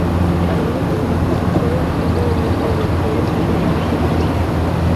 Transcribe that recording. Algunos personajes se fueron y un nuevo grupo de doctores y enfermeras se unieron.